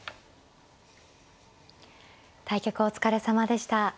対局お疲れさまでした。